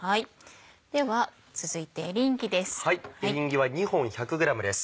では続いてエリンギです。